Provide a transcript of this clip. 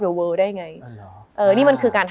มันทำให้ชีวิตผู้มันไปไม่รอด